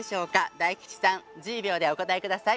大吉さん、１０秒でお答えください。